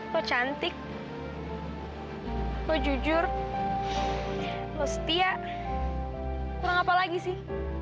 kecantik hai kau jujur lu setia kurang apa lagi sih